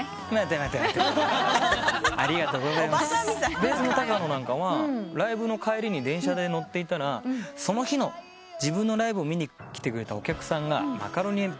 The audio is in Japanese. ベースの高野なんかはライブの帰りに電車乗っていたらその日の自分のライブを見に来てくれたお客さんがマカロニえんぴつのバンＴを着て隣に座っていたと。